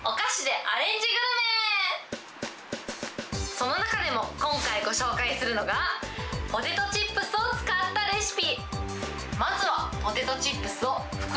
その中でも、今回ご紹介するのが、ポテトチップスを使ったレシピ。